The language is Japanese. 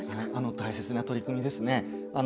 大切な取り組みですね。